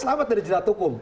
selamat dari jelatukum